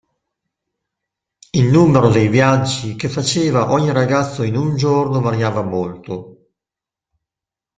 Il numero dei viaggi che faceva ogni ragazzo in un giorno variava molto.